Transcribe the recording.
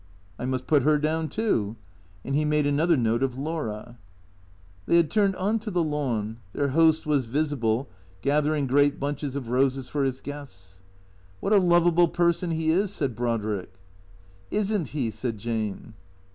" I must put her down too." And he made another note of Laura. They had turned on to the lawn. Their host was visible, gathering great bunches of roses for his guests. " "Wliat a lovable person he is," said Brodrick, " Is n't he ?" said Jane.